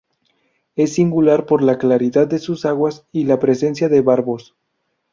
Es singular por la claridad de sus aguas y la presencia de barbos.